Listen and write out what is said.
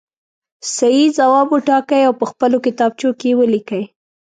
صحیح ځواب وټاکئ او په خپلو کتابچو کې یې ولیکئ.